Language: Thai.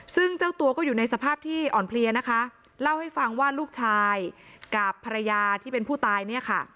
ซึ่งเจ้าตัวก็อยู่ในสภาพที่อ่อนเพลียนะคะเล่าให้ฟังว่าลูกชายกับภรรยาที่เป็นผู้ตายเนี่ยค่ะ